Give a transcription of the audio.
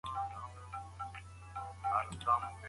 خو حتی نومیالي لیکوالان هم د کره کتنې لاندې دي.